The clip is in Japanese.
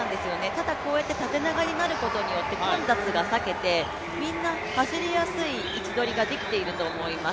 ただこうやって縦長になることによって、混雑が避けて、みんな走りやすい位置取りができていると思います。